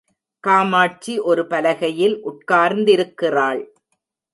காமாட்சி ஒருபலகையில் உட்கார்ந்திருக்கிறாள்.